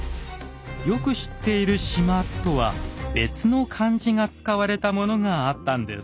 よく知っている「縞」とは別の漢字が使われたものがあったんです。